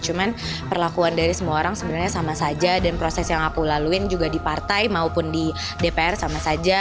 cuman perlakuan dari semua orang sebenarnya sama saja dan proses yang aku laluin juga di partai maupun di dpr sama saja